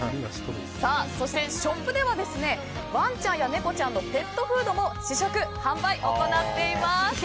そして、ショップではワンちゃんや猫ちゃんのペットフードも試食・販売行っています。